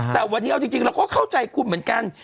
แต่วันนี้เอาจริงเราก็เข้าใจคุณเหมือนกัน